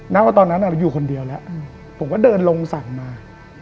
ว่าตอนนั้นเราอยู่คนเดียวแล้วผมก็เดินลงสั่งมา